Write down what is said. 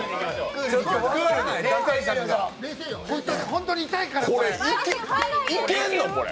本当に痛いから、これ。